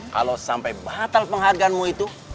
kalau sampai batal penghargaanmu itu